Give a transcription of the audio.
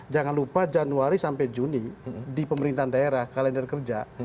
jangan lupa januari sampai juni di pemerintahan daerah kalender kerja